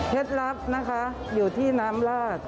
เพชรลัพธ์นะคะอยู่ที่น้ำลาด